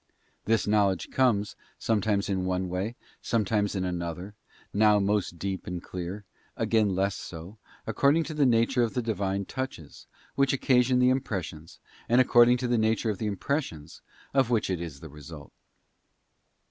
This knowledge comes, some times in one way, sometimes in another, now most deep and clear, again less so, according to the nature of the Divine touches, which occasion the impressions, and according to the nature of the impressions, of which it is the result.